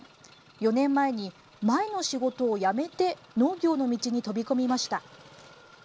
４年前に前の仕事を辞めて農業の道に飛び込みました。